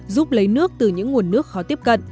giúp lấy nước từ những nguồn nước khó tiếp cận